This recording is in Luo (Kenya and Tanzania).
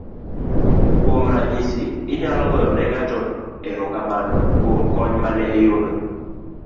kuom ranyisi inyalo goyo ne ng'ato erokamano kuom kony mane iyudo